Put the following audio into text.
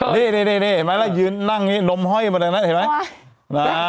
นี่เห็นไหมแล้วยืนนั่งนมห้อยมาดังนั้นเห็นไหม